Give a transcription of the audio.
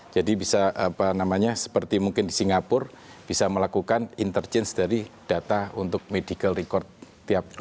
jadi bisa apa namanya seperti mungkin di singapura bisa melakukan interchange dari data untuk medical record tiap pasien